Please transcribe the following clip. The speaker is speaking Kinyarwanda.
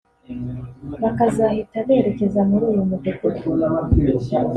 bakazahita berekeza muri uyu mudugudu